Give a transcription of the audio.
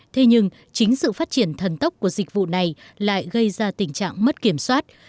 thế nhưng chính sự phát triển thần tốc của dịch vụ này lại gây ra tình trạng mất kiểm soát